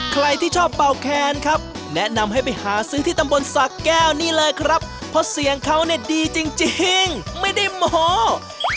ใครที่ชอบเป่าแคนครับแนะนำให้ไปหาซื้อที่ตำบลสะแก้วนี่เลยครับเพราะเสียงเขาเนี่ยดีจริงไม่ได้โม้